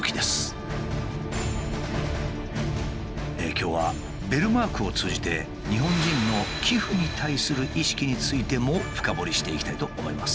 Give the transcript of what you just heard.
今日はベルマークを通じて日本人の寄付に対する意識についても深掘りしていきたいと思います。